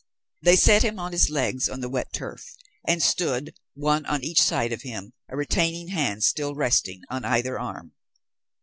They set him on his legs on the wet turf, and stood, one on each side of him, a retaining hand still resting on either arm.